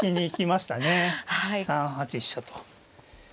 ３八飛車と。